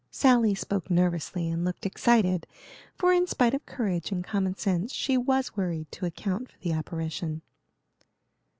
Sally spoke nervously and looked excited, for in spite of courage and common sense she was worried to account for the apparition.